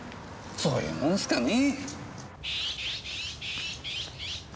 そういうもんすかね。